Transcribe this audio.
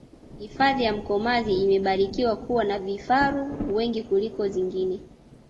hifadhi ya mkomazi imebarikiwa kuwa na vifaru wengi kuliko zingine